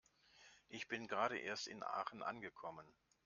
Ich bin gerade erst in Aachen angekommen